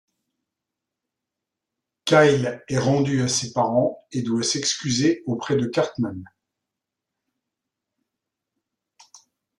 Kyle est rendu à ses parents et doit s'excuser auprès de Cartman.